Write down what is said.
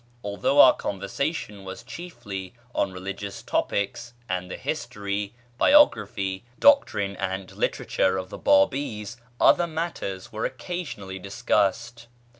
Although our conversation was chiefly on religious topics, and the history, biography, doctrine, and literature of the Bábís, other matters were occasionally discussed.